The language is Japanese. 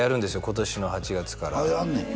今年の８月からあっやんねん？